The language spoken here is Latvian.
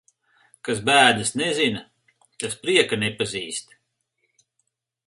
Kas bēdas nezina, tas prieka nepazīst.